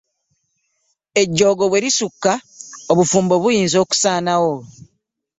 Ejjoogo bwe lisukka obufumbo buyinza okusaanawo.